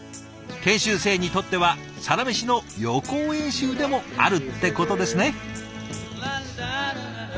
研修生にとってはサラメシの予行演習でもあるってことですね。